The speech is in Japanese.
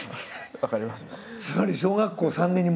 分かります。